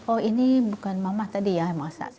oh ini bukan mamah tadi ya yang masak